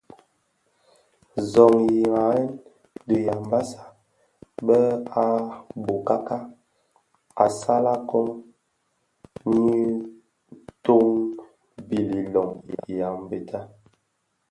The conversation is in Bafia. Zonйyi dharèn dhi Yambassa be a bokaka assalaKon=ňyi toň bil iloň Yambéta.